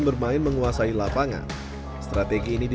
kita akan berusaha untuk memperbaiki hal ini